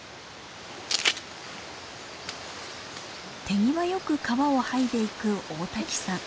手際よく皮を剥いでいく大滝さん。